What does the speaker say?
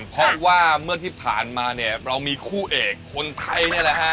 เพราะว่าเมื่อที่ผ่านมาเนี่ยเรามีคู่เอกคนไทยนี่แหละฮะ